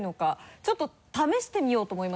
ちょっと試してみようと思いまして。